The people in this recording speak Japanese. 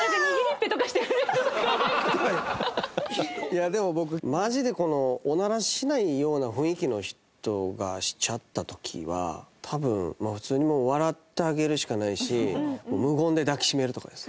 いやでも僕マジでこのオナラしないような雰囲気の人がしちゃった時は多分まあ普通にもう笑ってあげるしかないし無言で抱きしめるとかですね。